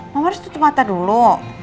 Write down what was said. mama harus tutup mata dulu